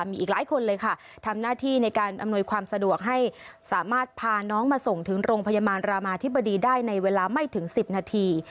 มีอีกหลายคนเลยค่ะทำหน้าที่ในการอำนวยความสะดวกให้สามารถพาน้องมาส่งถึงโรงพยาบาลรามาธิบดีได้ในเวลาไม่ถึง๑๐นาที